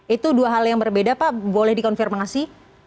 itu dua hal yang berbeda pak boleh dikonfirmasi